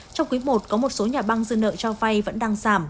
trong quý i có một số nhà băng dư nợ cho vay vẫn đang giảm